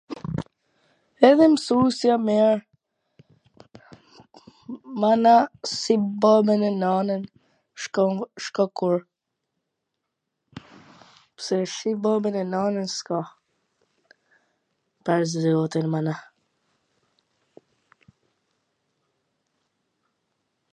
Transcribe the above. Edhe msusja a mir, mana, si babwn e nanwn, sh ka kurr, pse si babwn e nanwn s ka. Pash zotin, mana.